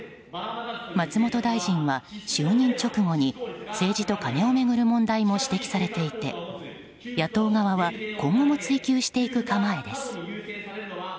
松本大臣は就任直後に政治とカネを巡る問題も指摘されていて野党側は今後も追及していく構えです。